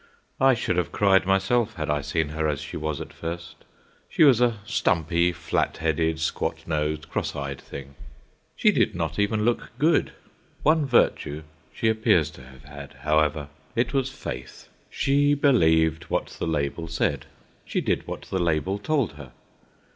I should have cried myself had I seen her as she was at first. She was a stumpy, flat headed, squat nosed, cross eyed thing. She did not even look good. One virtue she appears to have had, however. It was faith. She believed what the label said, she did what the label told her.